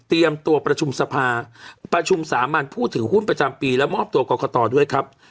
ตัวประชุมสภาประชุมสามัญผู้ถือหุ้นประจำปีและมอบตัวกรกตด้วยครับ